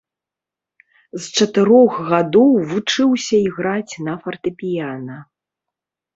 З чатырох гадоў вучыўся іграць на фартэпіяна.